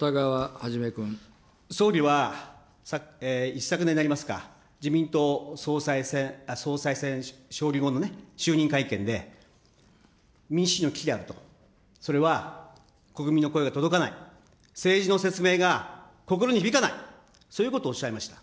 総理は、一昨年でありますか、自民党総裁選、勝利後の就任会見で、民主主義の危機であると、それは国民の声が届かない、政治の説明が心に響かない、そういうことをおっしゃいました。